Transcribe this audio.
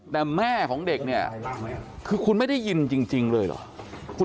แต่แม่ของเด็กเนี่ยคือคุณไม่ได้ยินจริงเลยเหรอ